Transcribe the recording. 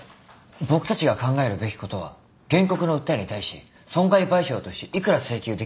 僕たちが考えるべきことは原告の訴えに対し損害賠償として幾ら請求できるかってところだよ。